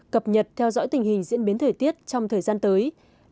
cập nhật theo dõi tình hình diễn biến thời tiết trong thời gian tới